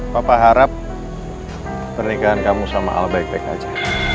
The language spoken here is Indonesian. papa harap pernikahan kamu sama albaik baik aja